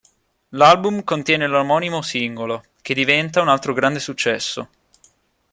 L'album contiene l"'omonimo singolo", che diventa un altro grande successo.